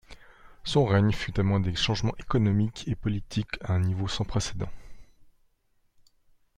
Son règne fut témoin des changements économiques et politiques à un niveau sans précédent.